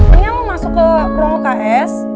mungkin lo masuk ke kurung lks